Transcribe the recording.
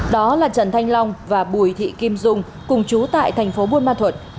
đó là trần thanh long và bùi thị kim dung cùng chú tại thành phố bồn loan thuật